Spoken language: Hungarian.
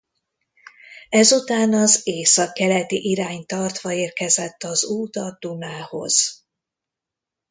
Ezután az északkeleti irányt tartva érkezett az út a Dunához.